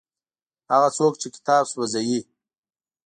هغه څوک چې کتاب سوځوي.